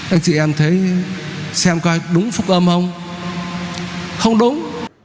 anh chị em thấy xem coi đúng phúc âm ông không đúng